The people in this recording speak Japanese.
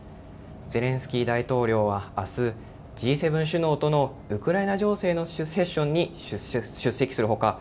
ゼレンスキー大統領はあすＧ７首脳とのウクライナ情勢のセッションに出席するほか